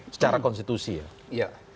secara konstitusi ya